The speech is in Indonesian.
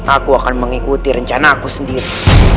aku akan mengikuti rencana aku sendiri